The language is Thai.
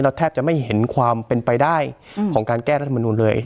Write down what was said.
แทบจะไม่เห็นความเป็นไปได้ของการแก้รัฐมนูลเลย